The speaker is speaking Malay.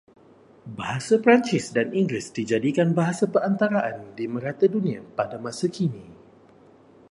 Bahasa Perancis dan Inggeris dijadikan bahasa perantaraan di merata dunia pada masa kini